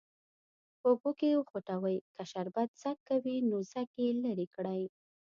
په اوبو کې وخوټوئ که شربت ځګ کوي نو ځګ یې لرې کړئ.